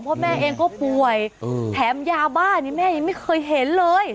เพราะแม่เองก็ป่วยแถมยาบ้านี่แม่ยังไม่เคยเห็นเลย